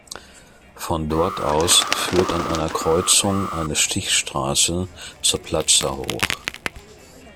Von dort aus führt an einer Kreuzung eine Stichstraße zur Plaza hoch.